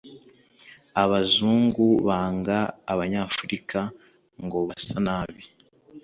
abazungu banga abanyafurika ngo basa nabi